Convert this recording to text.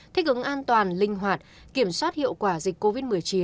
thích ứng an toàn linh hoạt kiểm soát hiệu quả dịch covid một mươi chín